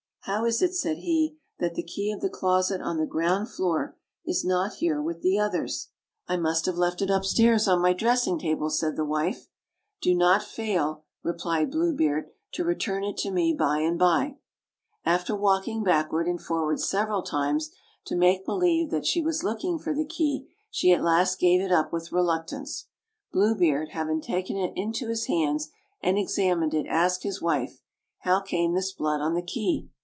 "How is it," said he, "that the key of the closet on the ground floor is not here with the others?" 74 OLD, OLD FAIRT TALES. "I must have 'left it upstairs on my dressing table/' said the wife. "Do not fail," replied Blue Beard, "to return it to me by and by." After walking backward and forward several times, to make believe that she was looking for the key, she at last gave it up with reluctance. Bine Beard, having taken it into his hands and examined it, asked his wife, "How came this blood on the key?"